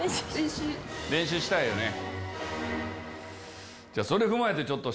練習したいよね。